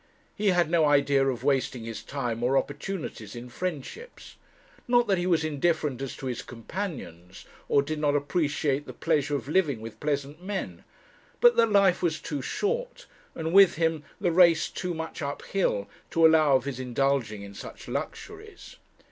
He had no idea of wasting his time or opportunities in friendships. Not that he was indifferent as to his companions, or did not appreciate the pleasure of living with pleasant men; but that life was too short, and with him the race too much up hill, to allow of his indulging in such luxuries.